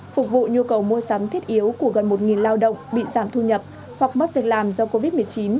phục vụ nhu cầu mua sắm thiết yếu của gần một lao động bị giảm thu nhập hoặc mất việc làm do covid một mươi chín